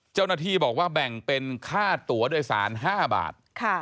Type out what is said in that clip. เจ้าหน้าที่บอกว่าแบ่งเป็นค่าตัวโดยสาร๕บาท